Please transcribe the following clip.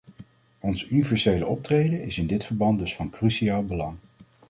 Ons universele optreden is in dit verband dus van cruciaal belang.